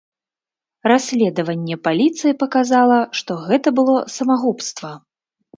Расследаванне паліцыі паказала, што гэта было самагубства.